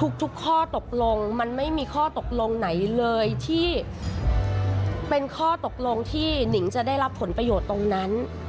ทุกข้อตกลงมันไม่มีข้อตกลงไหนเลยที่เป็นข้อตกลงที่หนิงจะได้รับผลประโยชน์ตรงนั้น